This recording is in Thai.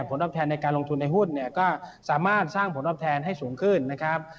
ผลตอบแทนในการลงทุนในหุ้นเนี่ยก็สามารถสร้างผลตอบแทนให้สูงขึ้นนะครับ